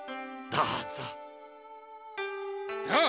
どうぞ。